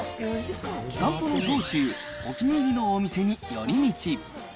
散歩の道中、お気に入りのお店に寄り道。